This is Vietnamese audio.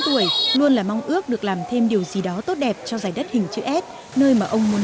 sáu tuổi luôn là mong ước được làm thêm điều gì đó tốt đẹp cho giải đất hình chữ s nơi mà ông muốn